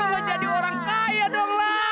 jadi lo menjadi orang kaya doang lah